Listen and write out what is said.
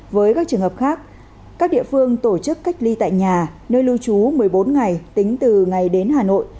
với các trường hợp khác các địa phương tổ chức cách ly tại nhà nơi lưu trú một mươi bốn ngày tính từ ngày đến hà nội